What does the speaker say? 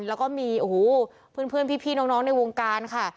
แล้วก็มีโอ้โหเพื่อนพี่น้องในวงการค่ะ